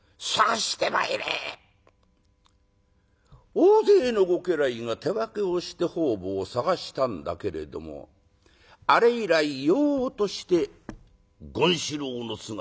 大勢のご家来が手分けをして方々を捜したんだけれどもあれ以来ようとして権四郎の姿が見えません。